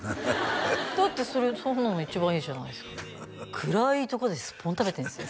だってそんなの一番いいじゃないですか暗いとこでスッポン食べてんすよ？